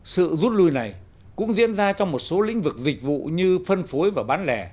sự rút lui này cũng diễn ra trong một số lĩnh vực dịch vụ như phân phối và bán lẻ